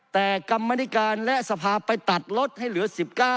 แต่กรรมนิการและสภาไปตัดลดให้เหลือ๑๙